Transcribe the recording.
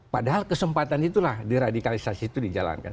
padahal kesempatan itulah deradikalisasi itu dijalankan